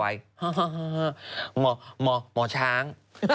ปลาหมึกแท้เต่าทองอร่อยทั้งชนิดเส้นบดเต็มตัว